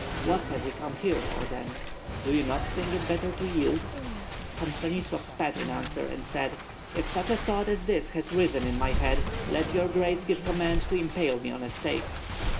"What have we come here for, then? Do you not think it better to yield?" Pan Stanislav spat in answer, and said: "If such a thought as that has risen in my head, let your grace give command to impale me on a stake.